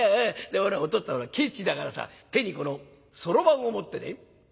でほらお父っつぁんケチだからさ手にこのそろばんを持ってね